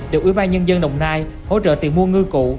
được ủy ban nhân dân đồng nai hỗ trợ tìm mua ngư cụ